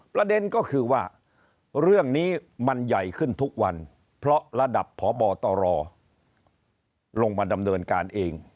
ประเด็นก็คือว่าเรื่องนี้มันใหญ่ขึ้นทุกวันเพราะระดับพบตรลงมาดำเนินการเอง